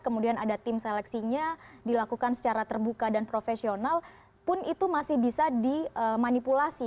kemudian ada tim seleksinya dilakukan secara terbuka dan profesional pun itu masih bisa dimanipulasi